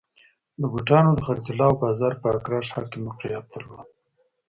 د بوټانو د خرڅلاو بازار په اکرا ښار کې موقعیت درلود.